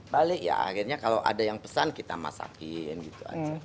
balik ya akhirnya kalau ada yang pesan kita masakin gitu aja